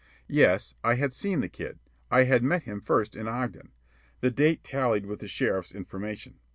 Yes, I had seen the kid. I had met him first in Ogden. The date tallied with the sheriff's information.